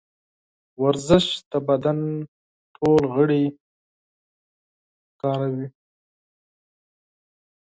ورزش د بدن ټول غړي فعالوي.